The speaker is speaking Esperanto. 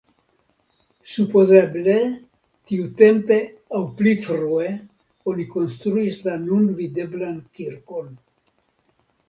Supozeble tiutempe aŭ pli frue oni konstruis la nun videblan kirkon.